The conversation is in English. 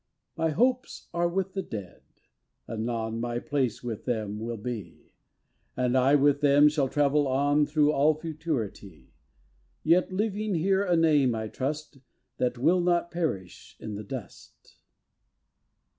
My hopes are with the Dead, anon My place with them will be, And I with them shall travel on Through all Futurity; Yet leaving here a name, I trust, That will not perish in the dust.